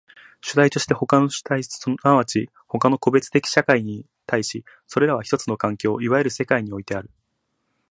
主体として他の主体即ち他の個別的社会に対し、それらは一つの環境、いわゆる世界においてある。